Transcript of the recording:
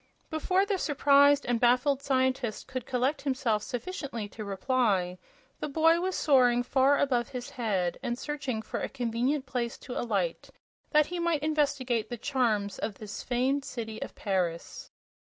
Before the surprised and baffled scientist could collect himself sufficiently to reply, the boy was soaring far above his head and searching for a convenient place to alight, that he might investigate the charms of this famed city of Paris.